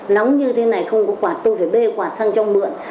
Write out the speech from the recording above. nóng như thế này không có quạt tôi phải bê quạt sang cho mượn